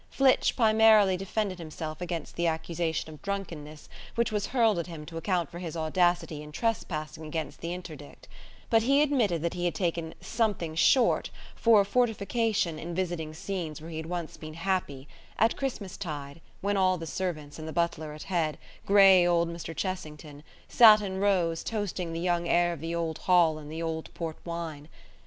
Flitch primarily defended himself against the accusation of drunkenness, which was hurled at him to account for his audacity in trespassing against the interdict; but he admitted that he had taken "something short" for a fortification in visiting scenes where he had once been happy at Christmastide, when all the servants, and the butler at head, grey old Mr. Chessington, sat in rows, toasting the young heir of the old Hall in the old port wine!